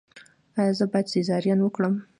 ایا زه باید سیزارین وکړم؟